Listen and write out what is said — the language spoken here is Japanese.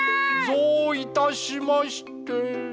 ぞういたしまして。